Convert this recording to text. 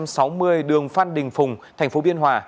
số một trăm sáu mươi đường phan đình phùng thành phố biên hòa